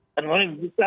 kemudian jika kemudian